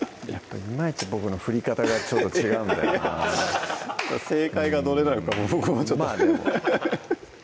いまいち僕の振り方がちょっと違うんだよな正解がどれなのかも僕もちょっと分からない